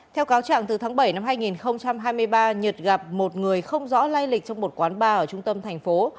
theo cáo trạng từ tháng bảy năm hai nghìn hai mươi ba nhật gặp một người không rõ lai lịch trong một quán bar ở trung tâm thành phố